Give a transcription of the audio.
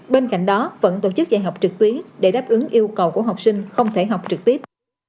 bên cạnh đó vẫn tổ chức dạy học trực tuyến để đáp ứng yêu cầu của học sinh không thể học trực tiếp